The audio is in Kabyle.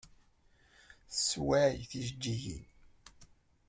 Tessewway tijeǧǧigin.